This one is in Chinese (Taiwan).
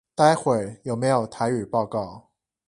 待會有沒有台語報告